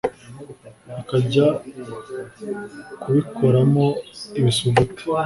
akajya kubikoramo ibisuguti